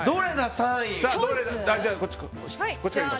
３位。